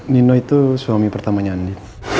nino itu suami pertamanya andi